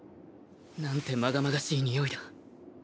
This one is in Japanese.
何てまがまがしいにおいだ